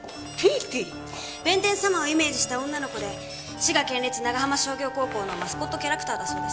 弁天様をイメージした女の子で滋賀県立長浜商業高校のマスコットキャラクターだそうです。